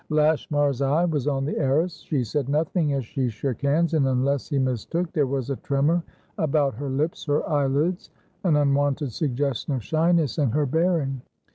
Lashmar's eye was on the heiress. She said nothing as she shook hands, and, unless he mistook, there was a tremour about her lips, her eyelids, an unwonted suggestion of shyness in her bearing.